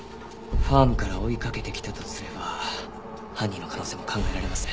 ファームから追いかけてきたとすれば犯人の可能性も考えられますね。